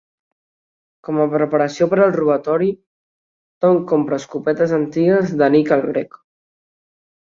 Com a preparació per al robatori, Tom compra escopetes antigues de Nick el Grec.